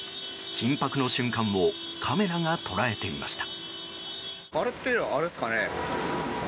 緊迫の瞬間をカメラが捉えていました。